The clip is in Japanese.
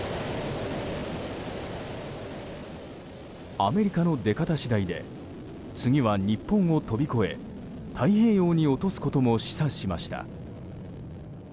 アメリカの出方次第で次は日本を飛び越え太平洋に落とすことも示唆しました。